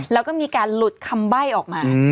แล้วก็มีการหลุดคำใบ้ออกมา